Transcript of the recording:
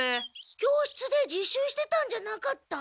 教室で自習してたんじゃなかった？